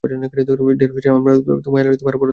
ঢের হয়েছে, তোমার আর পড়াতে হবে না।